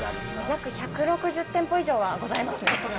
約１６０店舗以上はございますね。